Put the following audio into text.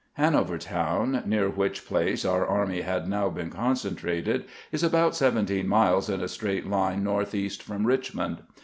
Hanovertown, near which place our army had now been concentrated, is about seventeen miles in a straight line northeast from Richmond.